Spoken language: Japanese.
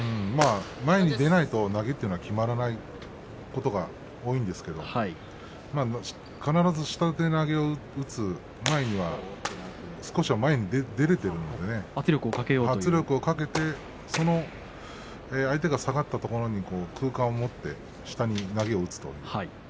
前に出ないと投げというのはきまらないことが多いんですけれども必ず下手投げを打つ前には少しは前に出られているので圧力をかけて相手が下がったところに空間を持って下に投げを打つと。